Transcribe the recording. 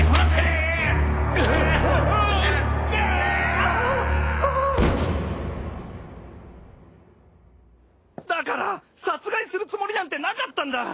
ああだから殺害するつもりなんてなかったんだ！